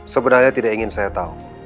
sebenarnya tidak ingin saya tahu